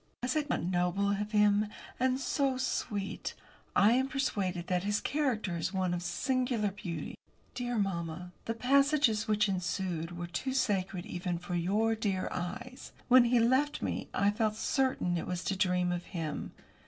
Was it not noble of him? And so sweet! I am persuaded that his character is one of singular beauty. Dear mamma, the passages which ensued were too sacred even for your dear eyes. When he left me I felt certain it was to dream of him.